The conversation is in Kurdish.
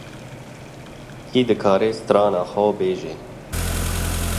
Kê dikare strana xwe bêje